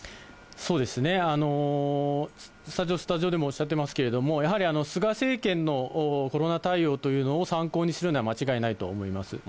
そうですね、スタジオでもおっしゃってますけれども、やはり菅政権のコロナ対応というのを参考にするのは間違いないと思います。